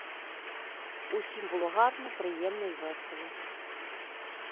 Усім було гарно, приємно й весело.